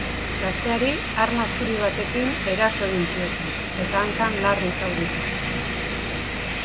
Gazteari arma zuri batekin eraso egin zioten, eta hankan larri zauritu zuten.